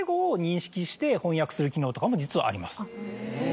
する機能とかも実はあります。